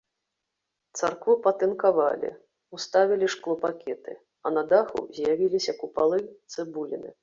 Царкву патынкавалі, уставілі шклопакеты, а на даху з'явіліся купалы-цыбуліны.